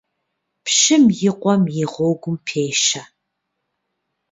Пщым и къуэм и гъуэгум пещэ.